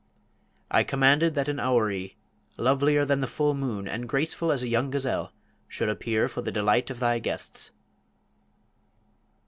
"I commanded that a houri, lovelier than the full moon, and graceful as a young gazelle, should appear for the delight of thy guests."